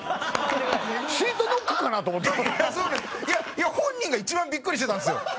いや本人が一番ビックリしてたんですよ。